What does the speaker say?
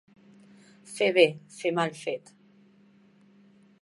Fer bé, fer mal fet.